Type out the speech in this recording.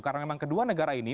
karena memang kedua negara ini